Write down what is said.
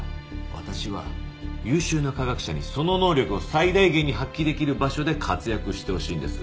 私は優秀な科学者にその能力を最大限に発揮できる場所で活躍してほしいんです。